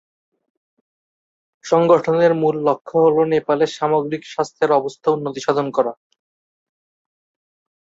সংগঠনের মূল লক্ষ্য হ'ল নেপালের সামগ্রিক স্বাস্থ্যের অবস্থা উন্নতিসাধন করা।